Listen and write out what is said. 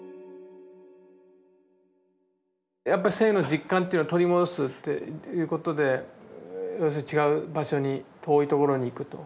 やっぱ生の実感というのを取り戻すっていうことで要するに違う場所に遠いところに行くと。